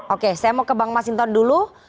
oke saya mau ke bang masinton dulu